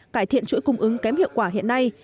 cải thiện chuỗi cung ứng kém hiệu quả hiện nay